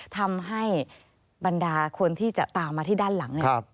ทำให้บรรดาคนที่จะตามมาที่ด้านหลังเนี่ย